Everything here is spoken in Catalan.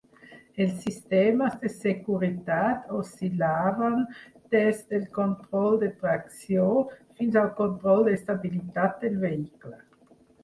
Els sistemes de seguretat oscil·laven des del control de tracció fins al control d'estabilitat del vehicle.